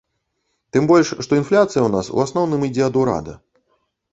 Тым больш, што інфляцыя ў нас, у асноўным, ідзе ад урада.